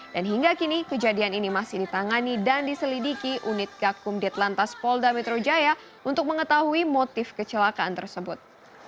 dan hingga kini kejadian ini masih ditangani dan diselidiki unit gakum ditlantas polda metro jaya untuk mengetahui motif kecelakaan tersebut